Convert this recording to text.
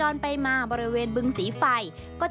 โหเม็ดบัวอบ